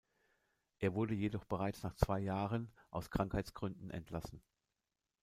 Er wurde jedoch bereits nach zwei Jahren aus Krankheitsgründen entlassen.